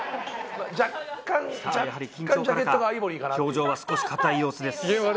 さぁやはり緊張からか表情は少し硬い様子です。